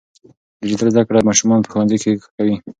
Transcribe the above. ډیجیټل زده کړه ماشومان په ښوونځي کې ښه کوي.